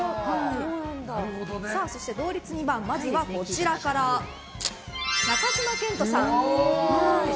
そして同率２番まずは、中島健人さん。